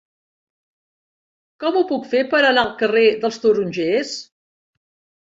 Com ho puc fer per anar al carrer dels Tarongers?